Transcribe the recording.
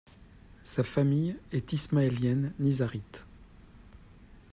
Sa famille est ismaélienne nizârite.